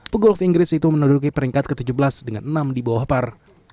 pegolf inggris itu menuduki peringkat ke tujuh belas dengan enam di bawah par